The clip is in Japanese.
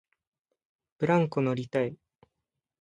ブランコ乗りたい